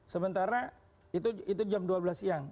sementara itu jam dua belas siang